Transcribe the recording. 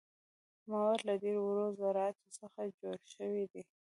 مواد له ډیرو وړو ذراتو څخه جوړ شوي دي.